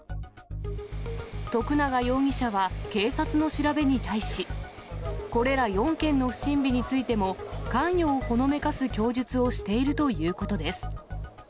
徳永容疑者は警察の調べに対し、これら４件の不審火についても、関与をほのめかす供述をしているということです。